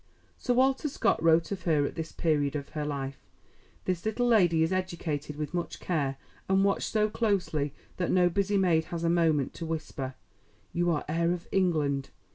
Sir Walter Scott wrote of her at this period of her life: "This little lady is educated with much care, and watched so closely that no busy maid has a moment to whisper, 'You are heir of England.'